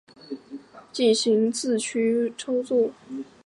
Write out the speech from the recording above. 许多程序设计语言都支持利用正则表达式进行字符串操作。